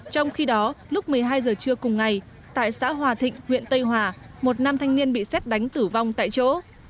trong khi đó lúc một mươi hai giờ trưa cùng ngày tại xã hòa thịnh huyện tây hòa một nam thanh niên bị xét đánh tử vong tại chỗ